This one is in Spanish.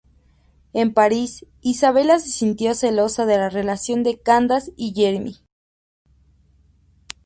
En París, Isabella se sintió celosa de la relación de Candace y Jeremy.